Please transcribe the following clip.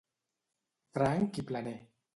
Franc i planer.